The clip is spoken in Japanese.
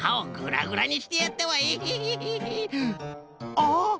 あっ！